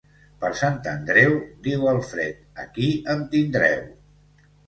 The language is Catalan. Per Sant Andreu, diu el fred, aquí em tindreu.